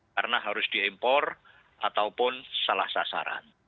karena harus diimpor ataupun salah sasaran